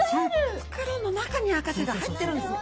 袋の中に赤ちゃんが入ってるんですね。